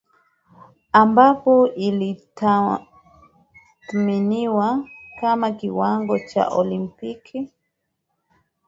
ambapo ilitathminiwa kama kiwango cha Olimpiki